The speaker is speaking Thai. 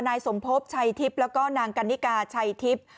นายสมพบชัยทิพย์แล้วก็นางกันนิกาชัยทิพย์